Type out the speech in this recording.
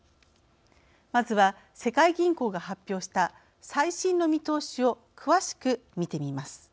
まずは世界銀行が発表した最新の見通しを詳しく見てみます。